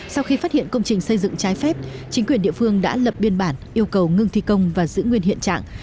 sau khi phát hiện công trình xây dựng trái phép chính quyền địa phương đã lập biên bản yêu cầu ngưng thi công và giữ nguyên hiện trạng